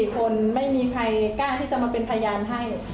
๔คนไม่มีใครกล้าที่จะมาเป็นพยานให้